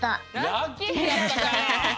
ラッキーだったね！